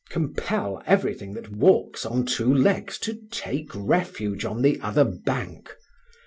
Compel everything that walks on two legs to take refuge on the other bank.